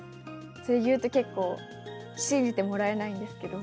それ言うと、結構、信じてもらえないんですけど。